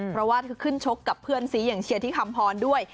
เพราะว่าขึ้นชกกับเพื่อนซีอย่างเชียร์ที่คำพรด้วย